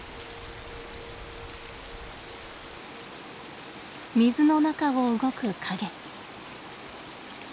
水の中を動く影。